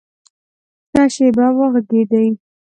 ښه شېبه وږغېدی !